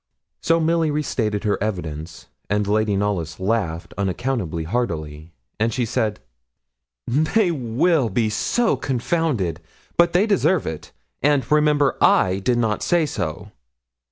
So Milly restated her evidence, and Lady Knollys laughed unaccountably heartily; and she said 'They will be so confounded! but they deserve it; and, remember, I did not say so.'